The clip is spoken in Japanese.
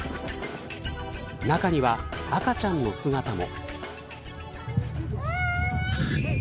中には、赤ちゃんの姿も。